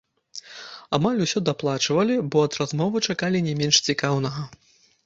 Амаль усе даплачвалі, бо ад размовы чакалі не менш цікаўнага.